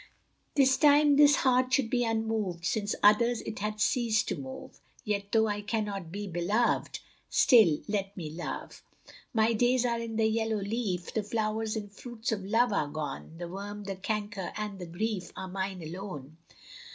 'Tis time this heart should be unmoved, Since others it hath ceased to move: Yet, though I cannot be beloved, Still let me love! My days are in the yellow leaf; The flowers and fruits of love are gone: The worm, the canker, and the grief Are mine alone!